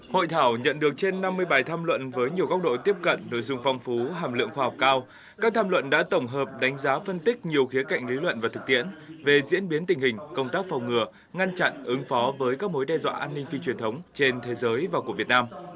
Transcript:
hội thảo nhận được trên năm mươi bài tham luận với nhiều góc độ tiếp cận nội dung phong phú hàm lượng khoa học cao các tham luận đã tổng hợp đánh giá phân tích nhiều khía cạnh lý luận và thực tiễn về diễn biến tình hình công tác phòng ngừa ngăn chặn ứng phó với các mối đe dọa an ninh phi truyền thống trên thế giới và của việt nam